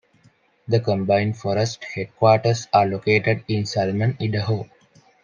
The combined forest headquarters are located in Salmon, Idaho.